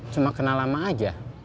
cuma kena lama aja